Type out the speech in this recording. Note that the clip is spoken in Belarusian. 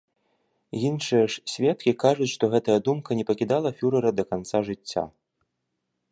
Іншыя ж сведкі кажуць, што гэтая думка не пакідала фюрэра да канца жыцця.